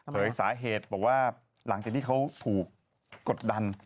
สาเหตุบอกว่าหลังจากที่เขาถูกกดดัน